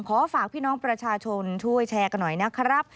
ขอฝากพี่น้องประชาชนช่วยแชร์กันหน่อยนะครับ